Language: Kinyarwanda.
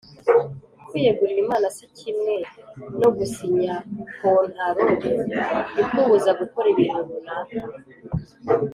Kwiyegurira Imana si kimwe no gusinya kontaro ikubuza gukora ibintu runaka